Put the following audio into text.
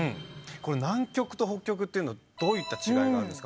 これ南極と北極っていうのはどういった違いがあるんですか？